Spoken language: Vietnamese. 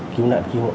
cứu nạn cứu hộ